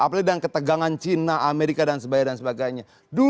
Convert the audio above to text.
apalagi dengan ketegangan cina amerika dan sebagainya